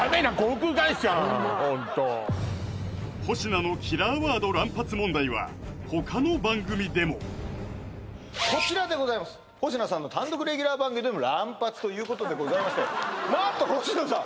ホント保科のキラーワード乱発問題は他の番組でもこちらでございます保科さんの単独レギュラー番組でも乱発ということでございまして何と保科さん